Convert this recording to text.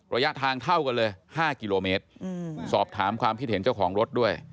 ระยะทางเท่ากันเลย๕กิโลเมตรสอบถามความคิดเห็นเจ้าของรถด้วย